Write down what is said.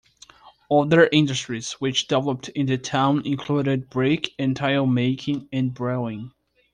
Other industries which developed in the town included brick and tile making and brewing.